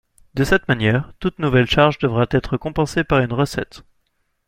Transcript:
De cette manière, toute nouvelle charge devra être compensée par une recette.